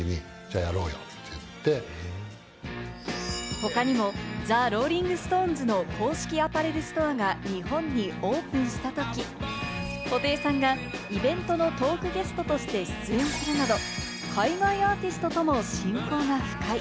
他にもザ・ローリング・ストーンズの公式アパレルストアが日本にオープンしたとき、布袋さんがイベントのトークゲストとして出演するなど、海外アーティストとも親交が深い。